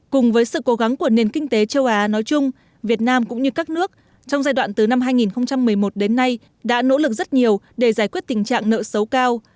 cùng với sự cố gắng của nền kinh tế châu á nói chung việt nam cũng như các nước trong giai đoạn từ năm hai nghìn một mươi một đến nay đã nỗ lực rất nhiều để giải quyết tình trạng nợ xấu cao